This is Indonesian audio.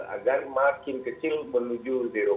agar makin kecil menuju